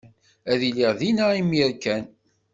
Ad iliɣ dinna imir kan.